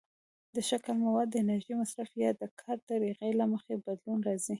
د شکل، موادو، د انرژۍ مصرف، یا د کار طریقې له مخې بدلون راځي.